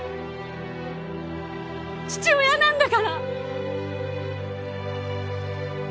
父親なんだから！